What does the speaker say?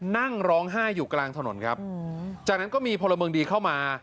นั่งร้องไห้อยู่กลางถนนครับจากนั้นก็มีพลเมืองดีเข้ามา